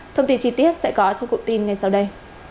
thông tin chi tiết sẽ có trong cụm tin ngay sau đây